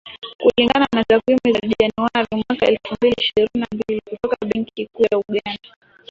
Kulingana na takwimu za Januari, mwaka elfu mbili ishirini na mbili kutoka Benki Kuu ya Uganda